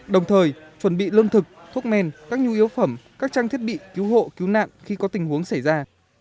đồng thời chuẩn bị lương thực thuốc men các nhu yếu phẩm các trang thiết bị cứu hộ cứu nạn khi có tình huống xảy ra